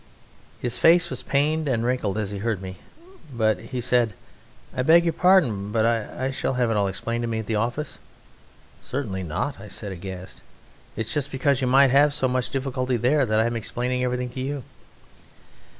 His face was pained and wrinkled as he heard me, but he said, "I beg your pardon ... but shall I have it all explained to me at the office?" "Certainly not!" I said, aghast; "it's just because you might have so much difficulty there that I'm explaining everything to you."